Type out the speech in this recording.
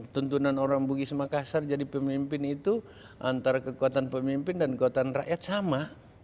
tuntunan orang bugis makassar jadi pemimpin itu antara kekuatan pemimpin dan kekuatan rakyat sama